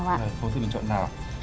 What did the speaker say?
không có sự bình chọn nào